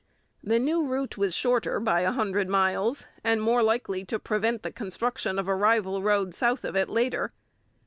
The new route was shorter by a hundred miles, and more likely to prevent the construction of a rival road south of it later.